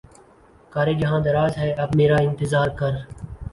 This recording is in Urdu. کار جہاں دراز ہے اب میرا انتظار کر